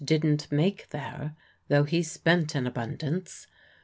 didn't make there, though he spent an abundance.